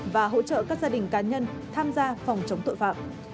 và hỗ trợ các gia đình cá nhân tham gia phòng chống tội phạm